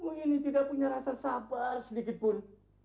om ini tidak punya rasa sabar sedikitpun